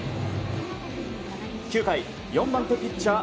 ９回、４番手ピッチャー